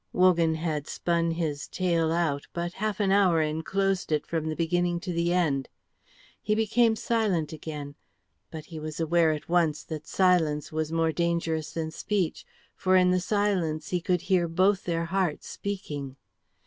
Wogan had spun his tale out, but half an hour enclosed it, from the beginning to the end. He became silent again; but he was aware at once that silence was more dangerous than speech, for in the silence he could hear both their hearts speaking.